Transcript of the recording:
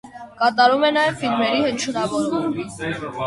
Կատարում է նաև ֆիլմերի հնչյունավորում։